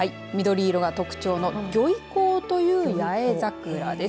緑色が特徴のギョイコウという八重桜です。